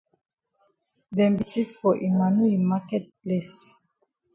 Dem be tif for Emmanu yi maket place.